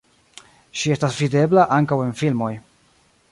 Ŝi estas videbla ankaŭ en filmoj.